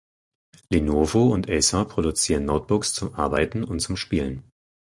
Lenovo und Acer produzieren Notebooks zum Arbeiten und zum Spielen.